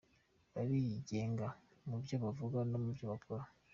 Barigenga mu byo bavuga no mu byo bakora.